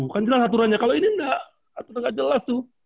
kalau ini nggak jelas tuh